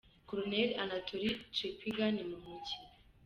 Koloneli Anatoliy Chepiga ni muntu ki?.